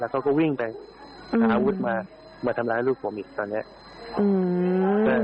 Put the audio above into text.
เขาก็วิ่งไปหาอาวุธมามาทำร้ายลูกผมอีกตอนเนี้ยอืม